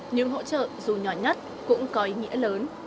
nhưng hỗ trợ dù nhỏ nhất cũng có ý nghĩa lớn